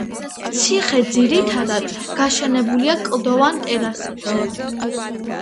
ციხე ძირითადად გაშენებულია კლდოვან ტერასებზე.